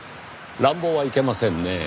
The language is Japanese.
乱暴はいけませんねぇ。